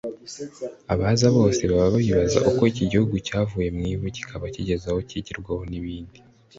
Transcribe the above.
Abaza bose baba bibaza uko iki gihugu cyavuye mu ivu gikaba kigeze aho kigirwaho n’ibindi